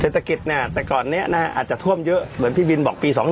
เศรษฐกิจเนี่ยแต่ก่อนนี้อาจจะท่วมเยอะเหมือนพี่บินบอกปี๒๔